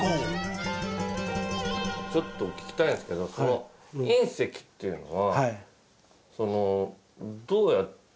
ちょっと聞きたいんですけどその隕石っていうのは。